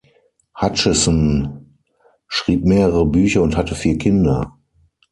Hutchison schrieb mehrere Bücher und hatte vier Kinder.